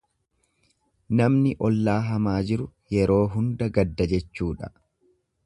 Namni ollaa hamaa jiru yeroo hunda gadda jechuudha.